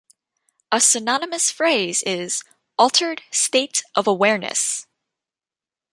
A synonymous phrase is "altered state of awareness".